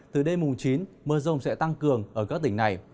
từ đêm chín mưa rông sẽ tăng cường ở các tỉnh này